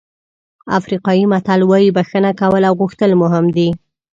افریقایي متل وایي بښنه کول او غوښتل مهم دي.